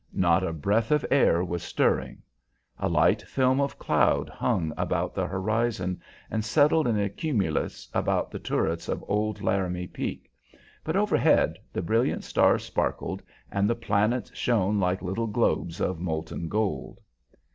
Not a breath of air was stirring. A light film of cloud hung about the horizon and settled in a cumulus about the turrets of old Laramie Peak, but overhead the brilliant stars sparkled and the planets shone like little globes of molten gold.